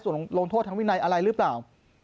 ส่วนลงโทษทางวินัยอะไรหรือเปล่า